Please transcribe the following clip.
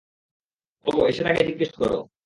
ওগো, এসে তাকে জিজ্ঞেস কর।